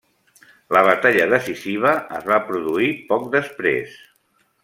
La batalla decisiva es va produir poc després.